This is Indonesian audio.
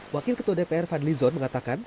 wakil ketua dpr fadlizon mengatakan